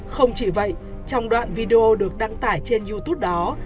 không chỉ vậy trong đoạn video được đăng tải trên youtube đó